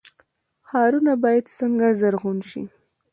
ښارونه باید څنګه زرغون شي؟